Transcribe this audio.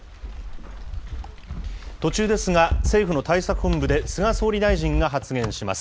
途中ですが、政府の対策本部で菅総理大臣が発言します。